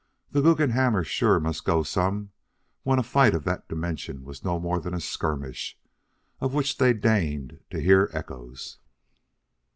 The Guggenhammers sure must go some when a fight of that dimension was no more than a skirmish of which they deigned to hear echoes.